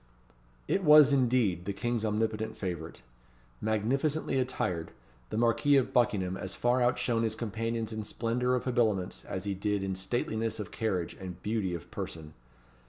It was, indeed, the King's omnipotent favourite. Magnificently attired, the Marquis of Buckingham as far outshone his companions in splendour of habiliments as he did in stateliness of carriage and beauty of person.